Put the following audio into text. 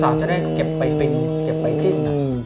สาวจะได้เก็บไปฟินเก็บไปจิ้น